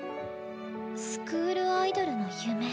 スクールアイドルの夢。